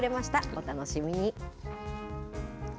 お楽しみに。